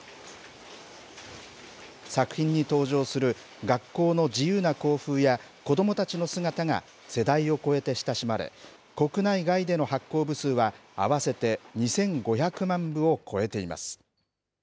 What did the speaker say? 作品に登場する学校の自由な校風や子どもたちの姿が世代を超えて親しまれ、国内外での発行部数は、合わせて２５００万部を超えています。